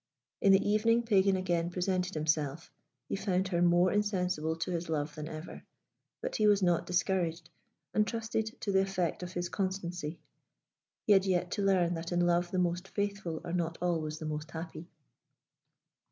In the evening Pagan again presented himself. He found her more insensible to his love than ever; but he was not discouraged, and trusted to the effect of his constancy. He had yet to learn that in love the most faithful are not always the most happy.